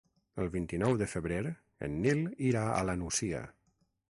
El vint-i-nou de febrer en Nil irà a la Nucia.